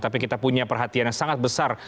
tapi kita punya perhatian yang sangat besar